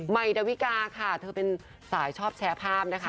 ดาวิกาค่ะเธอเป็นสายชอบแชร์ภาพนะคะ